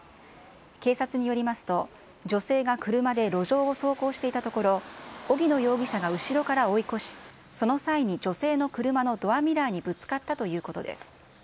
警察によりますと、女性が車で路上を走行していたところ、荻野容疑者が後ろから追い越し、その際に女性の車のドアミラーにぶつかったということです。